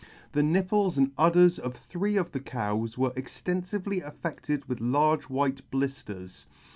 The nipples and udders of three of the cows were extenfively affedted with large white blifters.